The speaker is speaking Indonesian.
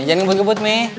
jangan ngebut ngebut mi